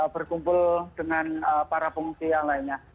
berkumpul dengan para pengungsi yang lainnya